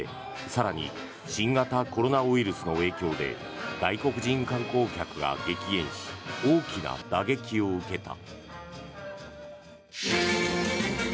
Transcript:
更に新型コロナウイルスの影響で外国人観光客が激減し大きな打撃を受けた。